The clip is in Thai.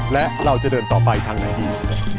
และเราจะเดินต่อไปทางไหนดี